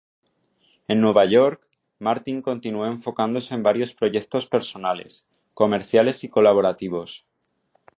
En Nueva York, Martin continuó enfocándose en varios proyectos personales, comerciales y colaborativos.